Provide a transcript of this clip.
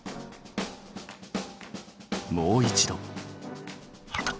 もう一度。